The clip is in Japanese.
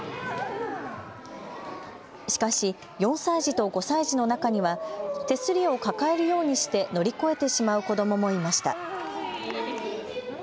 しかし、４歳児と５歳児の中には手すりを抱えるようにして乗り越えてしまう子どももいました。